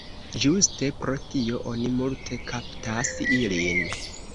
Ĝuste pro tio oni multe kaptas ilin.